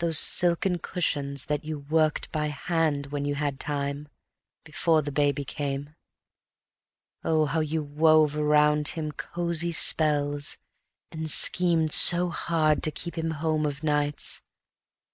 Those silken cushions that you worked by hand When you had time, before the baby came. Oh, how you wove around him cozy spells, And schemed so hard to keep him home of nights!